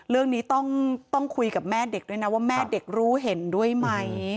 เรื่องนี้ต้องคุยกับแม่เด็กด้วยนะว่าแม่เด็กรู้เห็นด้วยไหม